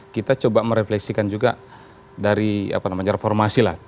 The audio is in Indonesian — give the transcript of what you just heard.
kita coba merefleksikan juga dari apa namanya reformasi lah